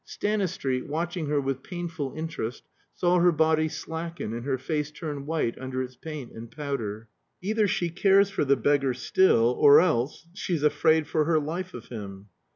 Stanistreet, watching her with painful interest, saw her body slacken and her face turn white under its paint and powder. "Either she cares for the beggar still, or else she's afraid for her life of him."